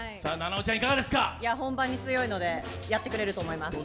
本番に強いのでやってくれると思います。